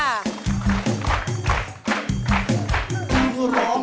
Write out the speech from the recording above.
ร้องได้ให้หลาน